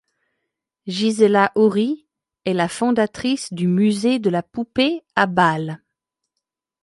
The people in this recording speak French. Gisela Oeri est la fondatrice du Musée de la poupée à Bâle.